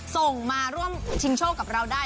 ส่งมาร่วมชิงโชคกับเราได้